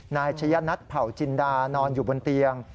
นายชะยะนัทเผ่าจินดานอนอยู่บนเตียง